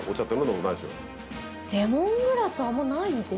レモングラスあんまないですね。